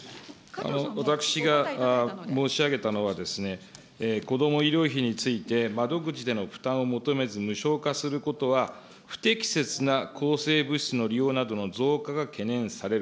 私が申し上げたのは、子ども医療費について窓口での負担を求めず、無償化することは、不適切な抗生物質の利用などの増加が懸念される。